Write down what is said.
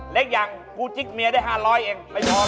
เล็กอย่างกู้จิ๊กเมียได้ห้าร้อยเองไม่พอหรอก